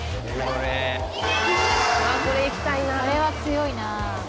これは強いな。